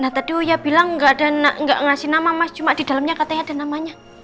nah tadi uya bilang gak ngasih nama mas cuma di dalamnya katanya ada namanya